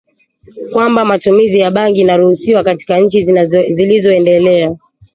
kwamba matumizi ya bangi inaruhusiwa katika nchi zilizoendelea